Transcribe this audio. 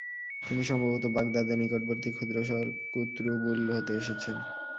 তিনি সম্ভবত বাগদাদ এর নিকটবর্তী ক্ষুদ্র শহর কুতরুবুল, হতে এসেছেন।